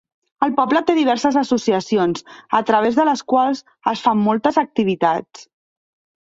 El poble té diverses associacions, a través de les quals es fan moltes activitats.